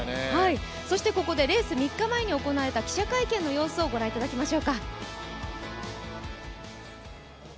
そしてここでレース３日前に行われた記者会見の様子をご覧いただきましょうか。